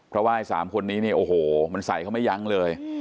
เพราะว่าไอ้สามคนนี้มันใส่เขาไม่ยั้งเลย